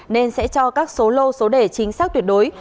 nên sẽ cho các số lô số đề chính xác tuyệt đối